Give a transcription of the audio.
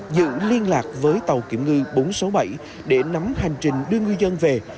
giữ liên lạc với tàu kiểm ngư bốn trăm sáu mươi bảy để nắm hành trình đưa ngư dân về